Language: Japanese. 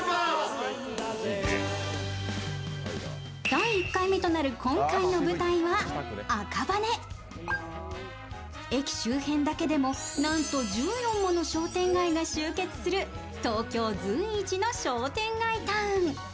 第１回目となる今回の舞台は赤羽駅周辺だけでも、なんと１４もの商店街が集結する東京随一の商店街タウン。